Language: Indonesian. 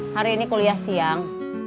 hari ini kuliah siang